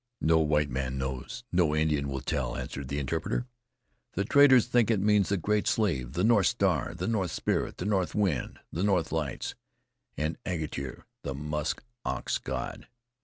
"No white man knows; no Indian will tell," answered the interpreter. "The traders think it means the Great Slave, the North Star, the North Spirit, the North Wind, the North Lights and the musk ox god."